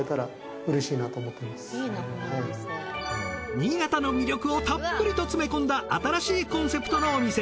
新潟の魅力をたっぷりと詰め込んだ新しいコンセプトのお店。